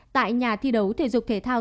tại nhà thi đấu thể dục thể thao